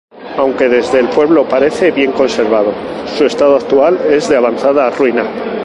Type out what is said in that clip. Aunque desde el pueblo parece bien conservado, su estado actual es de avanzada ruina.